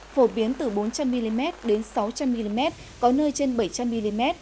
phổ biến từ bốn trăm linh mm đến sáu trăm linh mm có nơi trên bảy trăm linh mm